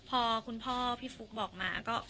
พอคุณพ่อพี่ฟุ๊กบอกมาก็